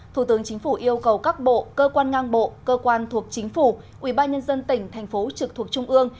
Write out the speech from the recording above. thủ tướng chính phủ yêu cầu các bộ cơ quan ngang bộ cơ quan thuộc chính phủ ubnd tỉnh thành phố trực thuộc trung ương